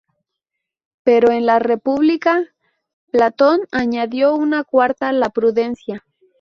Pero en "La República", Platón añadió una cuarta, la prudencia.